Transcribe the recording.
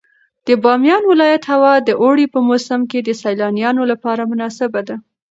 د بامیان ولایت هوا د اوړي په موسم کې د سیلانیانو لپاره مناسبه ده.